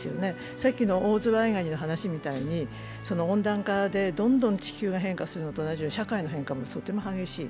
さっきのオオズワイガニの話みたいに、温暖化でどんどん地球が変化するのと同じように社会の変化もとっても激しい。